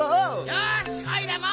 よしおいらも！